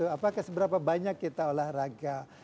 apakah seberapa banyak kita olahraga